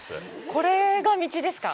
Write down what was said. これが道ですか。